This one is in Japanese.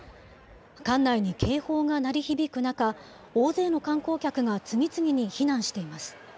館内に警報が鳴り響く中、大勢の観光客が次々に避難しています。